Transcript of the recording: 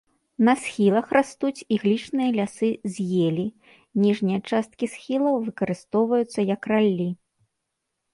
На схілах растуць іглічныя лясы з елі, ніжнія часткі схілаў выкарыстоўваюцца як раллі.